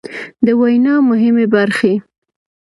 د وينا مهمې برخې